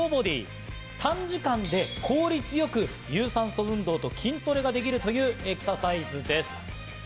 短時間で効率よく有酸素運動と筋トレができるというエクササイズです。